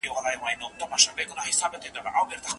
دا ستا خبري او ښكنځاوي ګراني !